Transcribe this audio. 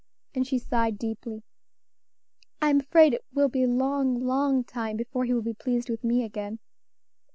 and she sighed deeply. "I'm afraid it will be a long, long time before he will be pleased with me again.